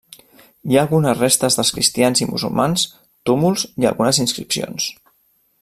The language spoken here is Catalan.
Hi ha algunes restes dels cristians i musulmans, túmuls i algunes inscripcions.